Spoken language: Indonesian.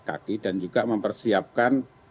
kaki dan juga mempersiapkan